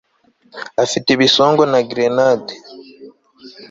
Afite ibisongo na grenade